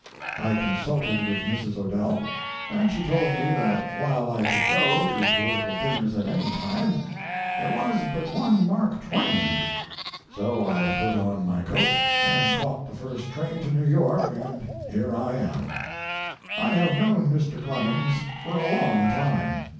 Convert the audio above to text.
I consulted with Mrs. Odell, and she told me that while I could go to political dinners at any time, there was but one Mark Twain, so I put on my coat and caught the first train to New York, and here I am. I have known Mr. Clemens for a long time.